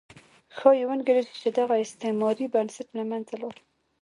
ښایي وانګېرل شي چې دغه استعماري بنسټ له منځه لاړ.